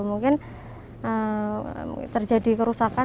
mungkin terjadi kerusakan